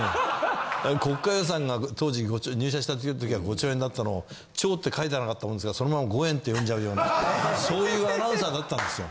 国家予算が当時入社した時は５兆円だったのを「兆」って書いてなかったもんですからそのまま５円って読んじゃうようなそういうアナウンサーだったんですよ。